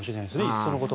いっそのこと。